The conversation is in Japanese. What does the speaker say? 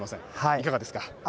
いかがですか。